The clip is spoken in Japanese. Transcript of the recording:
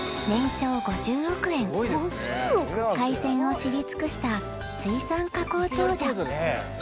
海鮮を知り尽くした水産加工